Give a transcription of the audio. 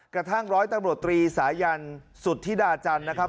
กระทั่งร้อยตำรวจตรีสายันสุธิดาจันทร์นะครับ